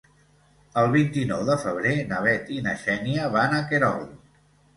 El vint-i-nou de febrer na Bet i na Xènia van a Querol.